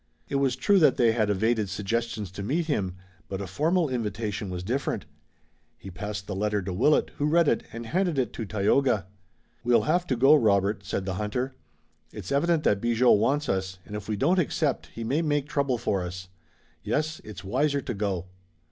It was true that they had evaded suggestions to meet him, but a formal invitation was different. He passed the letter to Willet, who read it and handed it to Tayoga. "We'll have to go, Robert," said the hunter. "It's evident that Bigot wants us, and if we don't accept he may make trouble for us. Yes, it's wiser to go."